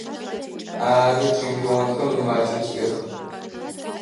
Ары, чемпионхэр мымакӏэу тиӏэх.